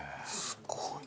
すごい。